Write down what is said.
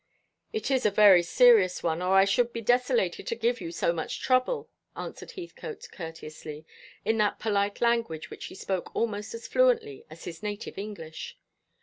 "It is a very serious one, or I should be desolated to give you so much trouble," answered Heathcote courteously, in that polite language which he spoke almost as fluently as his native English.